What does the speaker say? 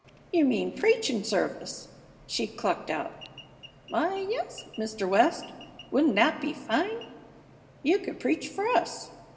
You mean preaching service!" she clucked out. "Why, yes, Mr. West, wouldn't that be fine? You could preach for us.